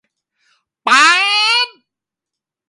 ป๊าด